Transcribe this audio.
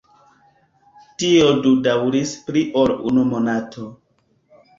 Tio do daŭris pli ol unu monato.